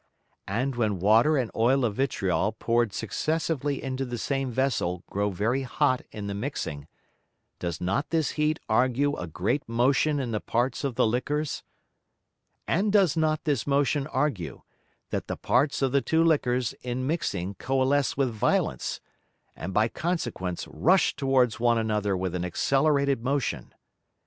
And when Water and Oil of Vitriol poured successively into the same Vessel grow very hot in the mixing, does not this Heat argue a great Motion in the Parts of the Liquors? And does not this Motion argue, that the Parts of the two Liquors in mixing coalesce with Violence, and by consequence rush towards one another with an accelerated Motion?